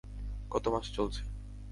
কত মাস চলছে?